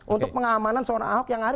untuk pengamanan seorang ahok yang ada